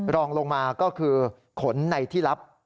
รองลงมาก็คือขนในที่ลับ